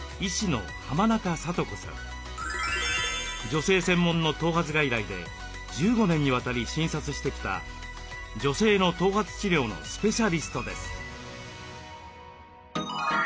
女性専門の頭髪外来で１５年にわたり診察してきた女性の頭髪治療のスペシャリストです。